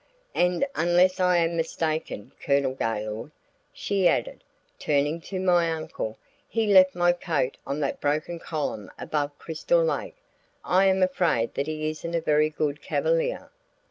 "And unless I am mistaken, Colonel Gaylord," she added, turning to my uncle, "he left my coat on that broken column above Crystal Lake. I am afraid that he isn't a very good cavalier."